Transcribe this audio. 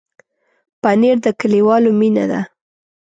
پنېر د کلیوالو مینه ده.